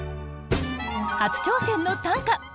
初挑戦の短歌。